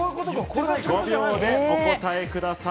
５秒でお答えください。